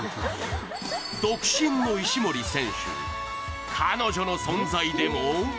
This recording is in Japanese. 独身の石森選手、彼女の存在でも？